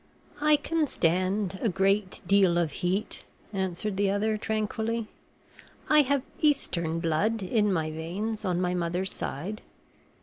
"I can stand a great deal of heat," answered the other, tranquilly. "I have Eastern blood in my veins, on my mother's side.